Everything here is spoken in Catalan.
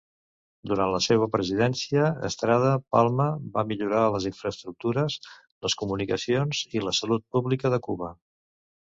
Durant la seva presidència, Estrada Palma va millorar les infraestructures, les comunicacions i la salut pública de Cuba.